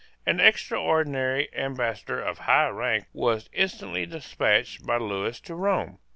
An extraordinary ambassador of high rank was instantly despatched by Lewis to Rome.